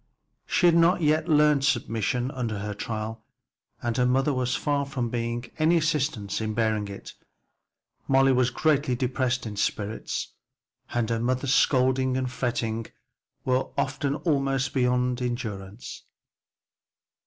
She had not yet learned submission under her trial, and her mother was far from being an assistance in bearing it. Molly was greatly depressed in spirits, and her mother's scolding and fretting were often almost beyond endurance.